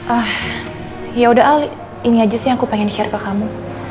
ah ya udah al ini aja sih yang aku pengen share ke kamu